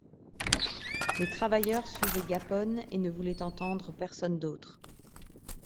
Les travailleurs suivaient Gapone et ne voulait entendre personne d'autre.